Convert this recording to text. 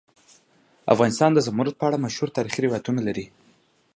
افغانستان د زمرد په اړه مشهور تاریخی روایتونه لري.